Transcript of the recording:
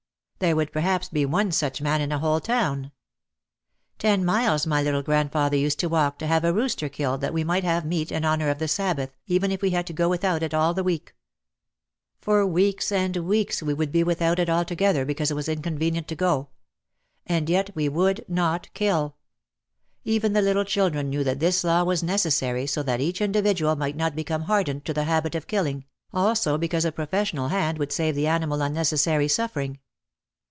There would perhaps be one such man in a whole town. Ten miles my little grandfather used to walk to have a rooster killed that we might have meat in honour of the Sabbath even if we had to go without it all the week. For weeks and weeks we would be without it altogether because it was inconvenient to go. And yet we would not kill! Even the little children knew that this law was necessary so that each individual might not become hardened to the habit of killing, also because a professional hand would save the animal unnecessary suffering.